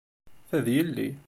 Ta d yelli.